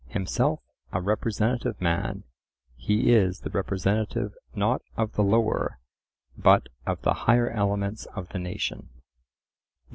Himself a representative man, he is the representative not of the lower but of the higher elements of the nation.